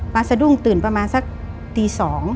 สะดุ้งตื่นประมาณสักตี๒